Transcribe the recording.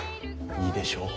いいでしょう！